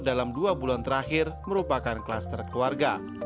dalam dua bulan terakhir merupakan kluster keluarga